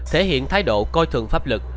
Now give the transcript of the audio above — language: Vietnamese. thể hiện thái độ coi thường pháp lực